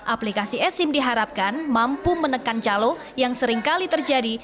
aplikasi esim diharapkan mampu menekan calo yang seringkali terjadi